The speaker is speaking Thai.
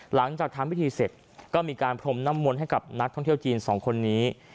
หลังจากทำพิธีเสร็จก็มีการพรมน้ำมนต์ให้กับนักท่องเที่ยวจีนสองคนนี้